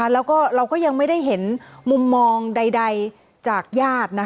แล้วก็เราก็ยังไม่ได้เห็นมุมมองใดจากญาติ